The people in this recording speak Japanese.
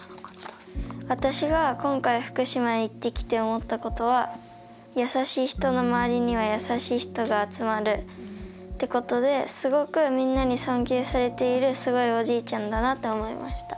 「私が今回福島へ行ってきて思ったことは優しい人の周りには優しい人が集まるってことですごくみんなに尊敬されているすごいおじいちゃんだなって思いました」。